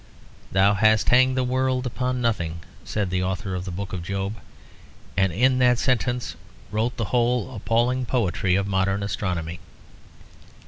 'Thou hast hanged the world upon nothing,' said the author of the Book of Job, and in that sentence wrote the whole appalling poetry of modern astronomy.